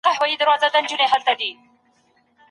انا په زړه کې وویل چې دا هلک یو الهي راز دی.